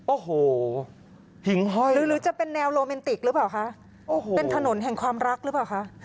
โอ้โหหิงห้อยหรือหรือจะเป็นแนวโรแมนติกหรือเปล่าคะโอ้โหเป็นถนนแห่งความรักหรือเปล่าคะ